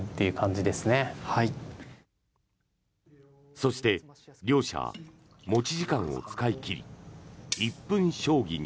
そして両者持ち時間を使い切り１分将棋に。